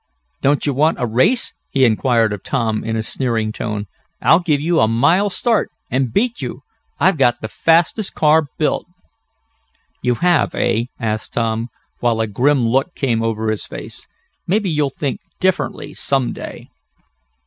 "Don't you want a race?" he inquired of Tom, in a sneering tone. "I'll give you a mile start, and beat you! I've got the fastest car built!" "You have, eh?" asked Tom, while a grim look came over his face. "Maybe you'll think differently some day."